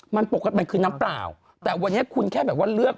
มันปกติมันคือน้ำเปล่าแต่วันนี้คุณแค่แบบว่าเลือก